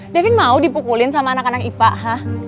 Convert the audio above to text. davin mau dipukulin sama anak anak ipa hah